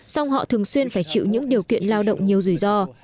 song họ thường xuyên phải chịu những điều kiện lao động nhiều rủi ro